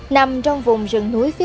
nằm trong vùng rừng núi